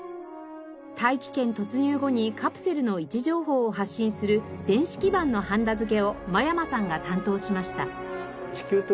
大気圏突入後にカプセルの位置情報を発信する電子基板のはんだ付けを眞山さんが担当しました。